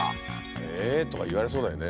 「ええ」とか言われそうだよね。